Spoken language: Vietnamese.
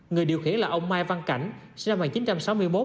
người điều khiển là ông mai văn cảnh sinh năm một nghìn chín trăm sáu mươi một